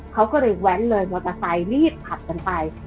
เขาก็เลยแว้นเลยมอเตอร์ไซค์รีบขับกันไป